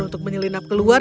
untuk menyelinap keluar